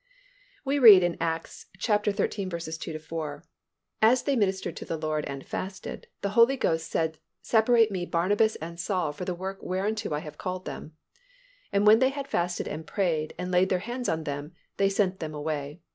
We read in Acts xiii. 2 4, "As they ministered to the Lord, and fasted, the Holy Ghost said, Separate Me Barnabas and Saul for the work whereunto I have called them. And when they had fasted and prayed, and laid their hands on them, they sent them away.